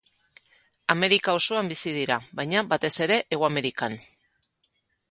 Amerika osoan bizi dira, baina batez ere Hego Amerikan.